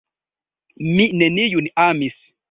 mi neniun amis.